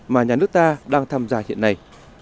mà nhà nước ta đang tham gia hiện nay